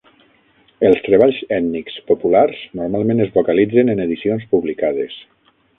Els treballs ètnics populars normalment es vocalitzen en edicions publicades.